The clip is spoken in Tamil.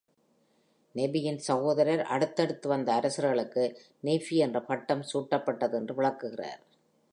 நெஃபியின் சகோதரர் அடுத்தடுத்து வந்த அரசர்களுக்கு நெஃபி என்ற பட்டம் சூட்டப்பட்டது என்று விளக்குகிறார்.